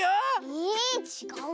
えちがう？